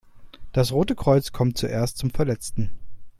Das Rote Kreuz kommt zuerst zum Verletzten.